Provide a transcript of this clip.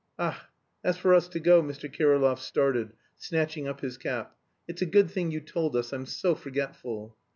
"Ach, that's for us to go." Mr. Kirillov started, snatching up his cap. "It's a good thing you told us. I'm so forgetful."